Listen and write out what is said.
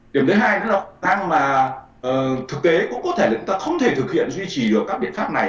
điểm thứ hai nếu là thực tế cũng có thể chúng ta không thể thực hiện duy trì được các biện pháp này